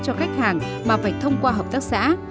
cho khách hàng mà phải thông qua hợp tác xã